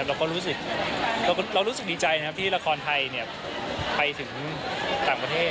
เราก็รู้สึกดีใจที่ละครไทยไปถึงต่างประเทศ